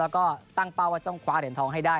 แล้วก็ตั้งเป้าว่าต้องคว้าเหรียญทองให้ได้